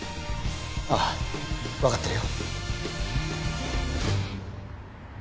ああ分かってるよ